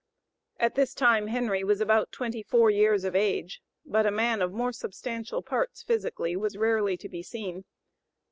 At this time Henry was about twenty four years of age, but a man of more substantial parts physically was rarely to be seen.